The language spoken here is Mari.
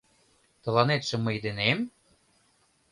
Тыланетше мый денем?